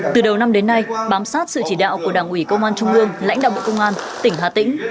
từ đầu năm đến nay bám sát sự chỉ đạo của đảng ủy công an trung ương lãnh đạo bộ công an tỉnh hà tĩnh